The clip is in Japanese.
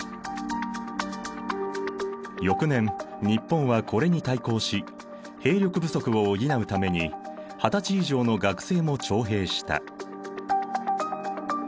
翌年日本はこれに対抗し兵力不足を補うために二十歳以上の学生も徴兵した。